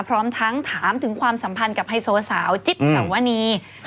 พร้อมทั้งถามถึงความสัมพันธ์กับไฮโซสาวจิ๊บสวนี